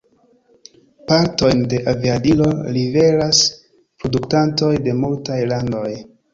Partojn de aviadilo liveras produktantoj de multaj landoj.